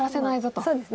そうですね。